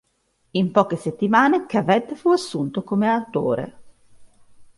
In poche settimane, Cavett fu assunto come autore.